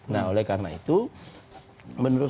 nah karena itu menurut